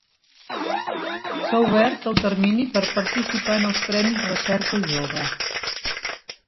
S'ha obert el termini per participar en els Premis Recerca Jove.